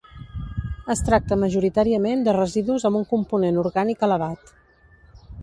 Es tracta majoritàriament de residus amb un component orgànic elevat.